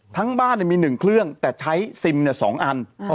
ทั้งบ้านมีหนึ่งเครื่องแต่ใช้ซิมเนี่ยสองอัน